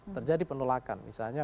terjadi penolakan misalnya